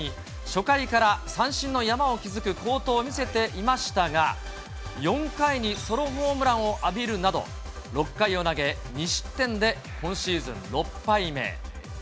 初回から三振の山を築く好投を見せていましたが、４回にソロホームランを浴びるなど、６回を投げ、２失点で今シーズン６敗目。